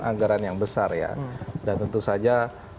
anggaran yang besar ya dan tentu saja